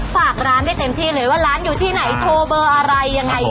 ฝากร้านได้เต็มที่เลยว่าร้านอยู่ที่ไหนโทรเบอร์อะไรยังไง